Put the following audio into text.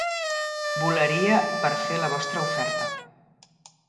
Volaria per fer la vostra oferta.